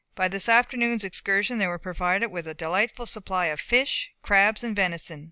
By this afternoon's excursion they were provided with a delightful supply of fish, crabs, and venison.